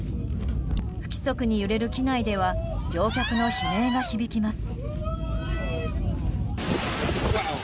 不規則に揺れる機内では乗客の悲鳴が響きます。